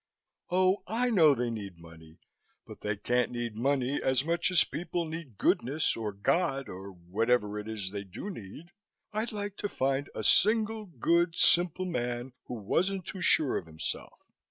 "Oh, I know they need money but they can't need money as much as people need goodness or God or whatever it is they do need. I'd like to find a single good simple man who wasn't too sure of himself.